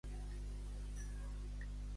Que continua allà després que t'has pessigat.